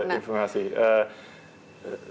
mungkin kita belum menemukan